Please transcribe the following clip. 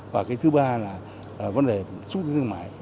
và thứ ba là vấn đề xuất thương mại